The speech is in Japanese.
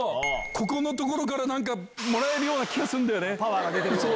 ここの所から何かもらえる気がするんだよね。